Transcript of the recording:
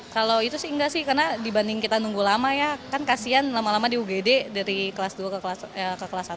kalau itu sih enggak sih karena dibanding kita nunggu lama ya kan kasian lama lama di ugd dari kelas dua ke kelas satu